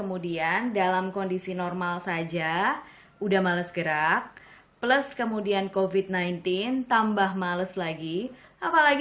udah bisa lele seharian ya